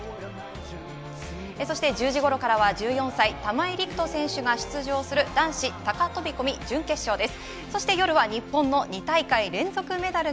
そして１０時頃からは１４歳、玉井陸斗選手が出場する男子高飛び込み準決勝です。